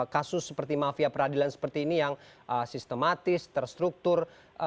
kasus seperti mafia peradilan seperti ini yang sistematis terstruktur